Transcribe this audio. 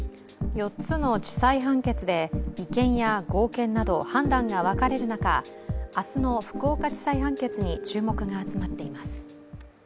４つの地裁判決で違憲や合憲など判断が分かれる中、明日の福岡地裁判決に注目が集まっています。